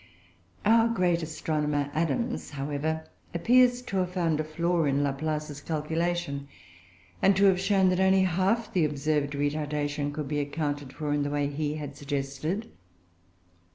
Our great astronomer, Adams, however, appears to have found a flaw in Laplace's calculation, and to have shown that only half the observed retardation could be accounted for in the way he had suggested.